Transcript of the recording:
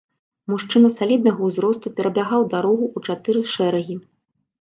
Мужчына саліднага ўзросту перабягаў дарогу ў чатыры шэрагі.